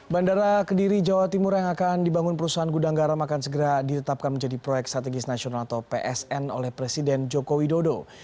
bandara kediri jawa timur yang akan dibangun perusahaan gudang garam akan segera ditetapkan menjadi proyek strategis nasional atau psn oleh presiden joko widodo